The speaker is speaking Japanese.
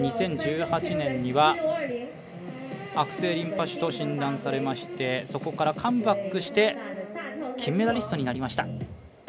２０１８年には悪性リンパ腫と診断されましてそこからカムバックして金メダリストになりました。